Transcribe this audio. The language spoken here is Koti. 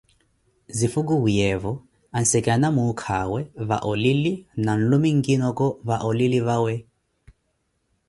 Zifukuwiyeewo, ansikana muukawe va oulili na nlume nkinoko va olili vawe